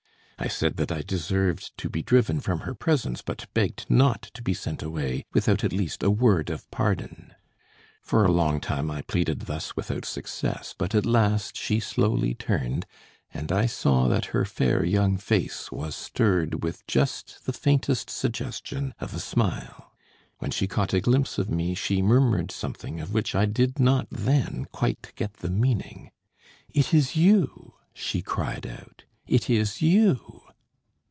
I said that I deserved to be driven from her presence, but begged not to be sent away without at least a word of pardon. For a long time I pleaded thus without success, but at last she slowly turned, and I saw that her fair young face was stirred with just the faintest suggestion of a smile. When she caught a glimpse of me she murmured something of which I did not then quite get the meaning. "'It is you,' she cried out; 'it is you!'